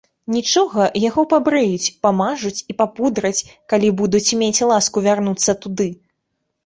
Нічога, яго пабрыюць, памажуць і папудраць, калі будуць мець ласку вярнуцца туды.